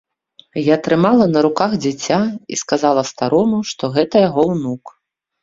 Я трымала на руках дзіця і сказала старому, што гэта яго ўнук.